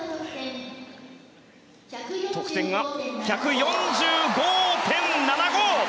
得点は１４５．７５！